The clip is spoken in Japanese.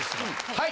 はい！